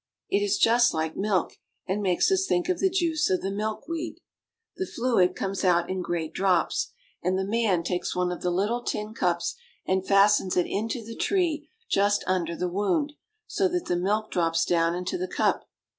It is just like milk, and makes us think of the juice of the milkweed. The fluid comes Tapping a Rubber Tree. RUBBER. 317 out in great drops, and the man takes one of the little tin cups and fastens it into the tree just under the wound, so that the milk drops down into the cup.